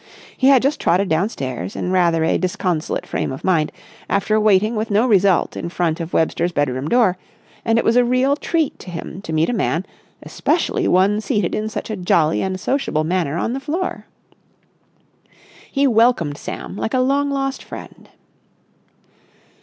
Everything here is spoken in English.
He had just trotted downstairs in rather a disconsolate frame of mind after waiting with no result in front of Webster's bedroom door, and it was a real treat to him to meet a man, especially one seated in such a jolly and sociable manner on the floor. He welcomed Sam like a long lost friend.